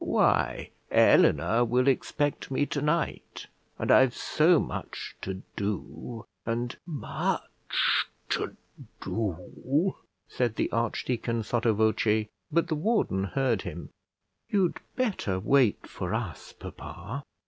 "Why, Eleanor will expect me tonight; and I've so much to do; and " "Much to do!" said the archdeacon sotto voce; but the warden heard him. "You'd better wait for us, papa."